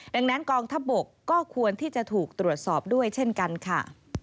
ดังนั้นกองทัพบกก็ควรที่จะถูกตรวจสอบด้วยเช่นกันค่ะ